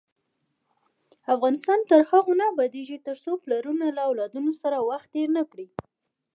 افغانستان تر هغو نه ابادیږي، ترڅو پلرونه له اولادونو سره وخت تیر نکړي.